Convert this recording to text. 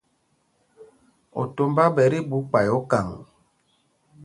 Otombá ɓɛ tí ɓu kpay okaŋ.